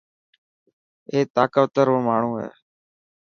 اي طاقتور ماڻهو هي.